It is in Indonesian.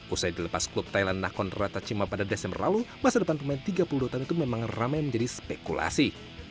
usai dilepas klub thailand nakon ratachima pada desember lalu masa depan pemain tiga puluh dua tahun itu memang ramai menjadi spekulasi